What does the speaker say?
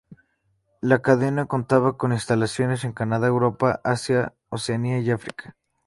La cadena contaba con instalaciones en Canadá, Europa, Asia, Oceanía y África.